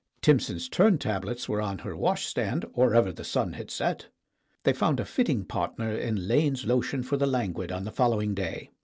Timson's Turn Tablets were on her washstand or ever the sun had set. They found a fitting partner in Lane's Lotion for the Languid on the following day.